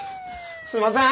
すいません。